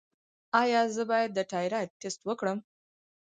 ایا زه باید د تایرايډ ټسټ وکړم؟